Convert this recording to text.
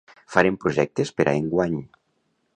Farem projectes per a enguany